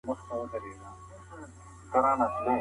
د موضوع تحلیل د منلو وړ دلایلو ته اړتیا لري.